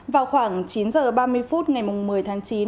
vào khoảng chín h ba mươi phút ngày một mươi tháng chín